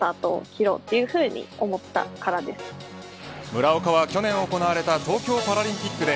村岡は去年行われた東京パラリンピックで